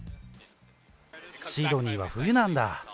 シドニーは冬なんだ。